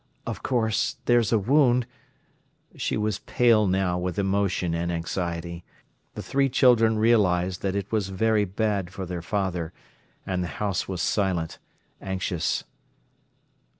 Of course there's a wound—" She was pale now with emotion and anxiety. The three children realised that it was very bad for their father, and the house was silent, anxious.